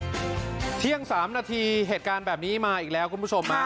เที่ยง๓นาทีเหตุการณ์แบบนี้มาอีกแล้วคุณผู้ชมฮะ